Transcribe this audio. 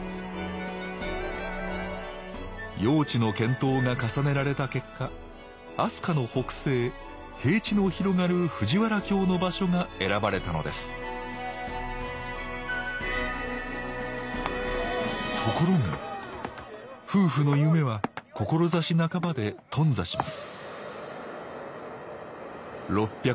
用地の検討が重ねられた結果飛鳥の北西平地の広がる藤原京の場所が選ばれたのですところが夫婦の夢は志半ばで頓挫します